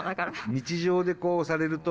日常でこうされると。